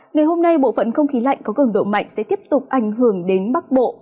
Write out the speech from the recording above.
ngày hôm nay bộ phận không khí lạnh có cường độ mạnh sẽ tiếp tục ảnh hưởng đến bắc bộ